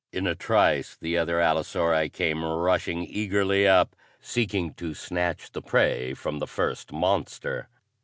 In a trice the other allosauri came rushing eagerly up, seeking to snatch the prey from the first monster.